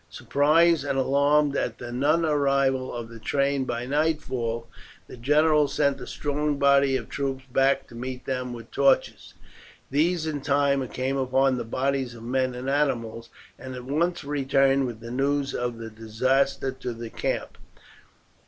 Surprised and alarmed at the non arrival of the train by nightfall, the general sent a strong body of troops back to meet them with torches. These in time came upon the bodies of the men and animals, and at once returned with the news of the disaster to the camp.